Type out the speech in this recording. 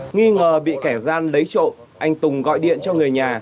nghi ngờ bị kẻ gian lấy trộm anh tùng gọi điện cho người nhà